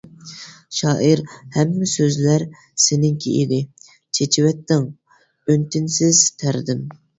شائىر ھەممە سۆزلەر سېنىڭكى ئىدى، چېچىۋەتتىڭ، ئۈن-تىنسىز تەردىم.